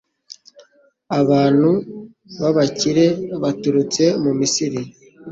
Abantu b’abakire baturutse mu Misiri